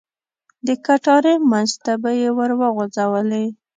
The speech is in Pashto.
د کټارې منځ ته به یې ور وغوځولې.